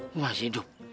gue masih hidup